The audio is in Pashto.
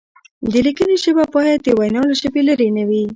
د لیکنې ژبه باید د وینا له ژبې لرې نه وي.